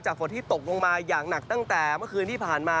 ฝนที่ตกลงมาอย่างหนักตั้งแต่เมื่อคืนที่ผ่านมา